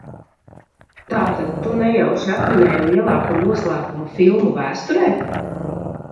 Tātad tu nejauši atminēji lielāko noslēpumu filmu vēsturē?